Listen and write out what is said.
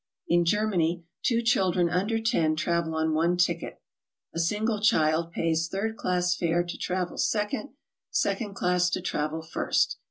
In Germany two children under 10 travel on one ticket; a single child pays third class fare to travel second; second class to travel first.